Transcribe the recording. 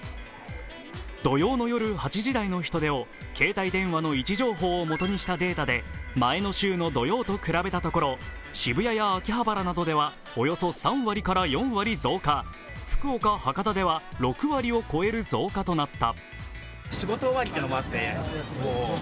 土曜の夜８時台の人出を携帯電話の位置情報を基にしたデータで前の週の土曜と比べたところ、渋谷や秋葉原などではおよそ３割から４割増加福岡・博多では６割を超える増加となった。